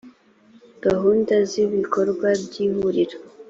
gahunda z ibikorwa by ihuriro